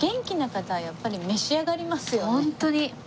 ホントに。